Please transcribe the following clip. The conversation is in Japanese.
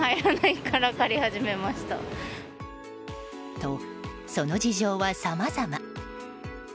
と、その事情はさまざま。